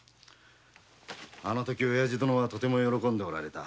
あの時おやじ殿はとても喜んでおられた。